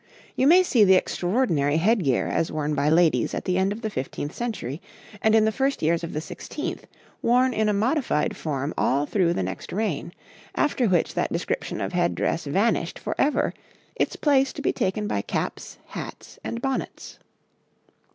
You may see the extraordinary head gear as worn by ladies at the end of the fifteenth century and in the first years of the sixteenth, worn in a modified form all through the next reign, after which that description of head dress vanished for ever, its place to be taken by caps, hats, and bonnets.